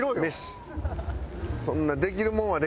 そんなできるもんはできるし。